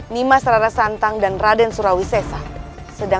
nimas raden santang dan raden surawi sesa